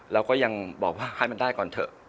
เราก็ยังบอกว่าให้มันได้ก่อนเถอะ